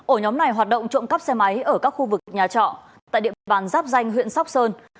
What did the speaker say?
ổ nhóm này hoạt động trộm cắp xe máy ở các khu vực nhà trọ tại địa bàn giáp danh huyện sóc sơn